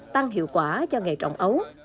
tăng hiệu quả cho nghề trồng ấu